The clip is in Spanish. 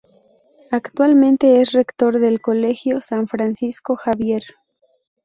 Actualmente es rector del Colegio San Francisco Javier.